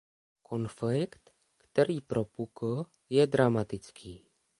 Konflikt, který propukl, je dramatický.